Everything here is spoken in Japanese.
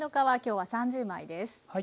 はい。